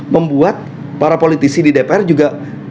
membuat para politisi di dpr juga